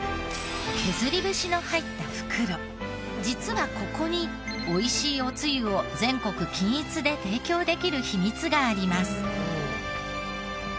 実はここに美味しいおつゆを全国均一で提供できる秘密があります。